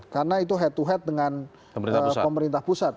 karena itu head to head dengan pemerintah pusat